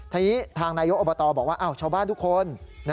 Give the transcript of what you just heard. ทีนี้ทางนายกอบตบอกว่าชาวบ้านทุกคน